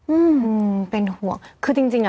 หื้อหือเป็นห่วง